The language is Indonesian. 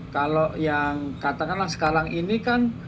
kalau yang katakanlah sekarang ini kan